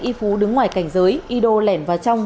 y phú đứng ngoài cảnh giới ido lẻn vào trong